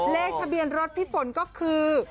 เลขทะเบียนรถพี่ฝนก็คือ